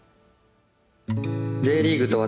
「Ｊリーグと私」